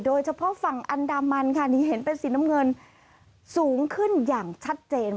โดยเฉพาะฝั่งอันดามันค่ะนี่เห็นเป็นสีน้ำเงินสูงขึ้นอย่างชัดเจน